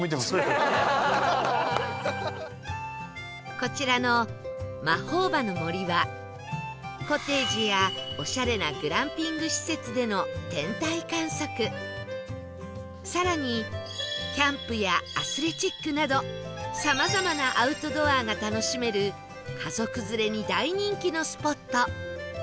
こちらのまほーばの森はコテージやオシャレなグランピング施設での天体観測更にキャンプやアスレチックなどさまざまなアウトドアが楽しめる家族連れに大人気のスポット